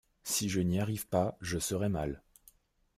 Si je n’y arrive pas je serai mal.